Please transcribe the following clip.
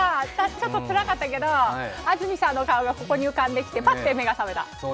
ちょっと暗かったけど安住さんの顔がここに浮かんできてパッと目が覚めた。